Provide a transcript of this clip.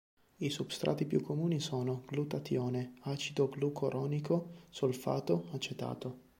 I substrati più comuni sono: glutatione, acido glucuronico, solfato, acetato.